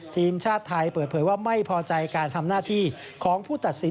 ทีมชาติไทยเปิดเผยว่าไม่พอใจการทำหน้าที่ของผู้ตัดสิน